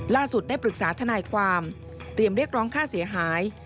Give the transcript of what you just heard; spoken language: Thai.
ได้ปรึกษาทนายความเตรียมเรียกร้องค่าเสียหาย